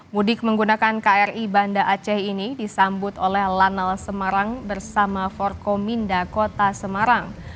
mudik menggunakan kri banda aceh ini disambut oleh lanal semarang bersama forkominda kota semarang